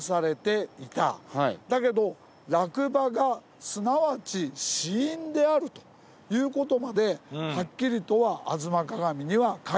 だけど落馬がすなわち死因であるということまではっきりとは『吾妻鏡』には書いてないんですね。